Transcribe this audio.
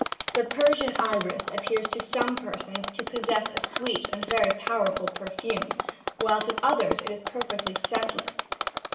'The Persian Iris appears to some persons to possess a sweet and very powerful perfume, while to others it is perfectly scentless.